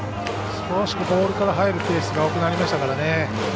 少しボールから入るケースが多くなりましたからね。